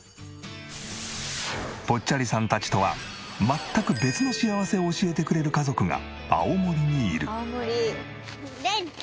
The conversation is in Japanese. ぽっちゃりさんたちとは全く別の幸せを教えてくれる家族が青森にいる。